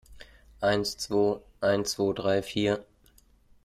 Eins zwo, eins zwo drei vier!